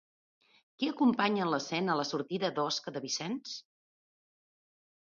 Qui acompanya en l'escena la sortida d'Osca de Vicenç?